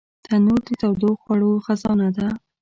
تنور د تودو خوړو خزانه ده